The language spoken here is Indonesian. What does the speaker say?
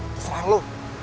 aku serang lu